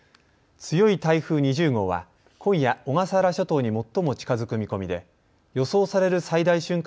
強い台風２０号は今夜、小笠原諸島に最も近づく見込みで予想される最大瞬間